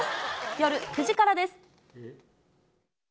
夜９時からです。